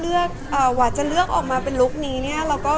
พอเสร็จจากเล็กคาเป็ดก็จะมีเยอะแยะมากมาย